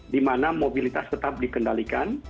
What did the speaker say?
dimana mobilitas tetap dikendalikan